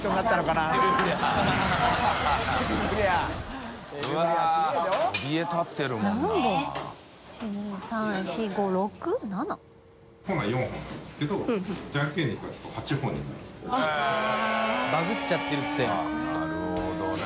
△なるほどね。